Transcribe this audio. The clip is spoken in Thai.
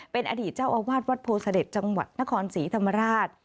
เป็นอดีตเจ้าอาวาสวัดโพเสด็จจังหวัดนครศรีธรรมราช